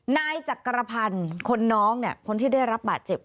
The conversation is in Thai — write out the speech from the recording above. นายจักรพันธ์คนน้องเนี่ยคนที่ได้รับบาดเจ็บ